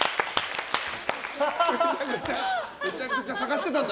めちゃくちゃ探してたんだ